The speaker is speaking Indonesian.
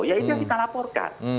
ya itu yang kita laporkan